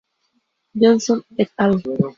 Johnson et al.